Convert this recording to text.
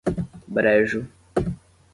Brejo